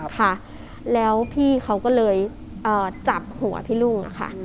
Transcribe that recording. ค่ะแล้วพี่เขาก็เลยจับหัวพี่ลุงอะค่ะ